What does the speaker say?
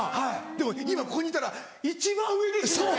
でも今ここにいたら一番上ですよ俺！